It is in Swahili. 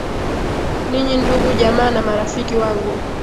ninyi ndugu jamaa na marafiki wangu